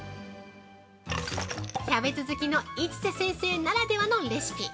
キャベツ好きの市瀬先生ならではのレシピ。